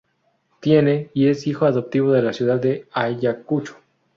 Tiene y es hijo adoptivo de la ciudad de Ayacucho.